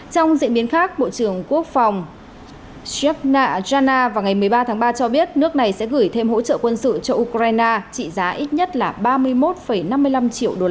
trong diễn biến khác bộ trưởng quốc phòng sydna vào ngày một mươi ba tháng ba cho biết nước này sẽ gửi thêm hỗ trợ quân sự cho ukraine trị giá ít nhất là ba mươi một năm mươi năm triệu usd